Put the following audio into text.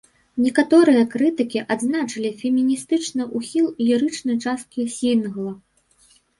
Некаторыя крытыкі адзначылі феміністычны ухіл лірычнай часткі сінгла.